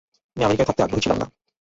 আমি আমেরিকায় থাকতে আগ্রহী ছিলাম না।